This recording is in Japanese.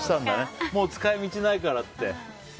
もう使い道ないからって。